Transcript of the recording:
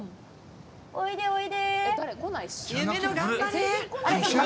おいで、おいで。